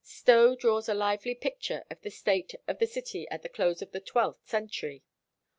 Stowe draws a lively picture of the state of the city at the close of the twelfth century.